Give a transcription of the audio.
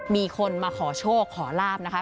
มีคนมาขอโชคขอลาบนะคะ